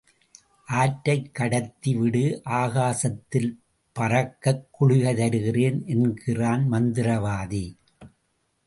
ஆற்றைக் கடத்தி விடு ஆகாசத்தில் பறக்கக் குளிகை தருகிறேன் என்கிறான் மந்திரவாதி.